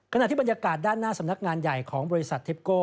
ขณะที่บรรยากาศด้านหน้าสำนักงานใหญ่ของบริษัททิปโก้